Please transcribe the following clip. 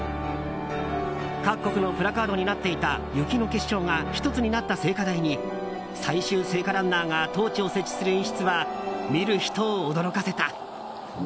各国のプラカードになっていた雪の結晶が１つになった聖火台に最終聖火ランナーがトーチを設置する演出は見る人を驚かせた。